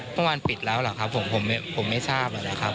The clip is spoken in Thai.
เมื่อวานปิดแล้วหรอครับผมผมไม่ผมไม่ทราบอ่ะนะครับ